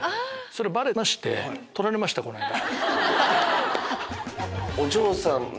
それバレまして取られましたこの間。